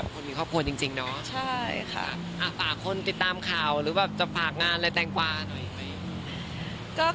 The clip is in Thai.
คนมีครอบครัวจริงเนาะใช่ค่ะฝากคนติดตามข่าวหรือแบบจะฝากงานอะไรแตงกวาหน่อยไหม